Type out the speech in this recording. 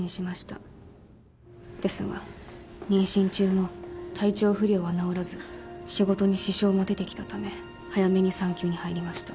ですが妊娠中も体調不良は治らず仕事に支障も出てきたため早めに産休に入りました。